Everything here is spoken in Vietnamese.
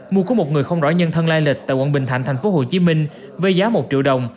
mua của một người không rõ nhân thân lai lịch tại quận bình thạnh thành phố hồ chí minh với giá một triệu đồng